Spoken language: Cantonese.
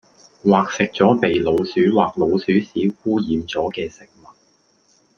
或食左被老鼠或老鼠屎污染左既食物